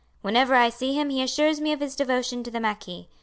Whenever I see him he assures me of his devotion to the marquis.